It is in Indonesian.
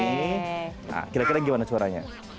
nah kira kira gimana suaranya